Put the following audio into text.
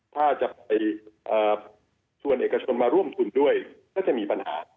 ถ้าจะไปชวนเอกชนมาร่วมทุนด้วยก็จะมีปัญหา